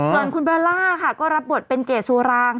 ส่วนคุณเบลล่าค่ะก็รับบทเป็นเกดสุราง